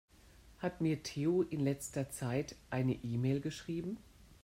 Hat mir Theo in letzter Zeit eine E-Mail geschrieben?